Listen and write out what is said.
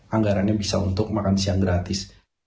anggarannya bisa untuk makan siang gratis